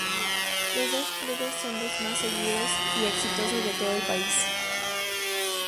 Los dos clubes son los más seguidos y exitosos de todo el país.